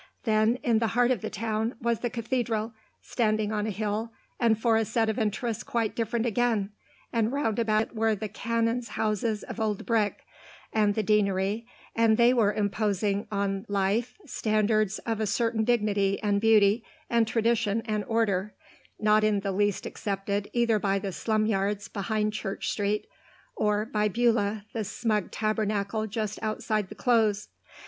Then, in the heart of the town, was the Cathedral, standing on a hill and for a set of interests quite different again, and round about it were the canons' houses of old brick, and the Deanery, and they were imposing on life standards of a certain dignity and beauty and tradition and order, not in the least accepted either by the slum yards behind Church Street, or by Beulah, the smug tabernacle just outside the Close.